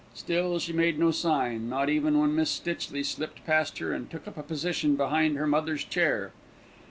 Still she made no sign, not even when Miss Stitchley slipped past her and took up a position behind her mother's chair.